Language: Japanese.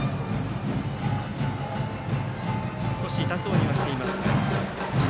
少し痛そうにはしていますが。